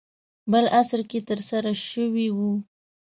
بل عصر کې ترسره شوی و.